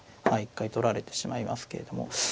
はい一回取られてしまいますけれども。